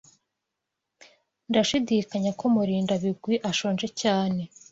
Ndashidikanya ko Murindabigwi ashonje cyane.